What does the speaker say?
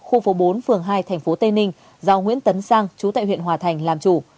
khu phố bốn phường hai tp tây ninh do nguyễn tấn sang chú tại huyện hòa thành làm chủ